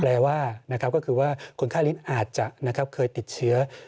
แปลว่าก็คือว่าคนไข้ลิ้นอาจจะเคยติดเชื้อ